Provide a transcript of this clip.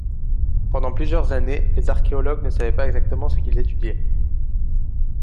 Pendant plusieurs années, les archéologues ne savaient pas exactement ce qu'ils étudiaient.